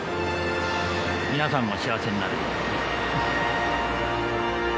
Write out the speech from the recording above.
皆さんも幸せになるように。